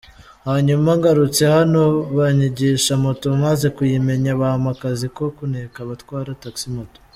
Hanyuma ngarutse hano banyigisha moto maze kuyimenya bampa akazi ko kuneka abatwara taxi moto”!